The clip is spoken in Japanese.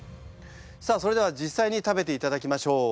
さあそれでは実際に食べていただきましょう。